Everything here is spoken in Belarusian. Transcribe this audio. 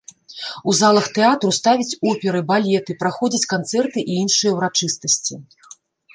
У залах тэатру ставяць оперы, балеты, праходзяць канцэрты і іншыя ўрачыстасці.